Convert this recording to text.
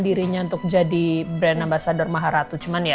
dirinya untuk jadi brand ambasador maharatu cuman ya